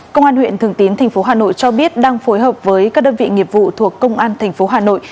công an huyện thường tín tp hà nội cho biết đang phối hợp với các đơn vị nghiệp vụ thuộc công an tp hà nội